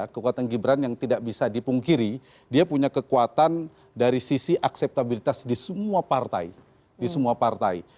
kekuatan gibran yang tidak bisa dipungkiri dia punya kekuatan dari sisi akseptabilitas di semua partai di semua partai